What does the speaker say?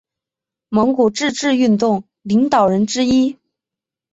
蒙古自治运动领导人之一。